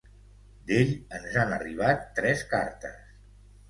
D'ell ens han arribat tres cartes.